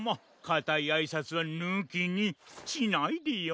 かたいあいさつはぬきにしないでよ。